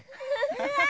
うわ！